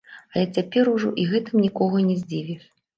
Але цяпер ужо і гэтым нікога не здзівіш.